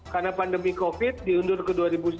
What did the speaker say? karena pandemi covid diundur ke dua ribu dua puluh satu